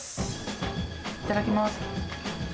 いただきます。